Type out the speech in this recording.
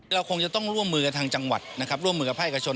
เราคงจะต้องร่วมมือกับทางจังหวัดร่วมมือกับพระออกาศชน